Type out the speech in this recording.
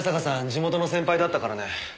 地元の先輩だったからね。